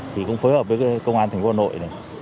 thì cũng phối hợp với công an thành phố hà nội này